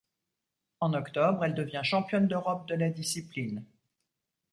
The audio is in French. En octobre, elles devient championne d'Europe de la discipline.